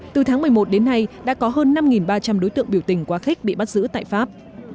từ tháng một mươi một đến nay đã có hơn năm ba trăm linh đối tượng biểu tình quá khích bị bắt giữ tại pháp